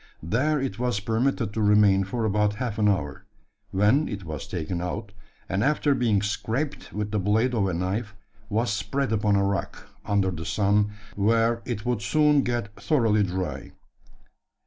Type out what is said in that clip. There it was permitted to remain for about half an hour, when it was taken out; and, after being scraped with the blade of a knife, was spread upon a rock, under the sun, where it would soon get thoroughly dry.